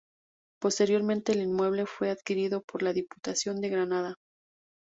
Posteriormente, el inmueble fue adquirido por la Diputación de Granada.